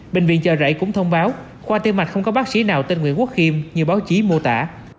bệnh viện chờ rảy cũng thông báo khoa tiêu mạch không có bác sĩ nào tên nguyễn quốc khiêm như báo chí mô tả